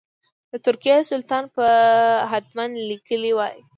د ترکیې سلطان به حتما لیکلي وای.